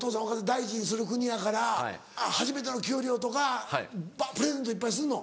大事にする国やから初めての給料とかプレゼントいっぱいすんの？